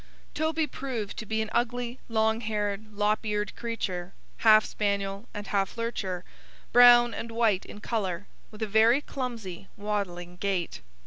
Toby proved to be an ugly, long haired, lop eared creature, half spaniel and half lurcher, brown and white in colour, with a very clumsy waddling gait.